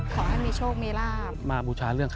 ขอให้มีโชคมีราบ